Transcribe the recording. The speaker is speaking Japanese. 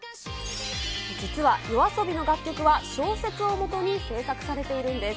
実はＹＯＡＳＯＢＩの楽曲は小説をもとに制作されているんです。